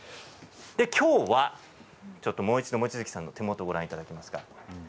きょうは望月さんの手元をご覧いただけますか？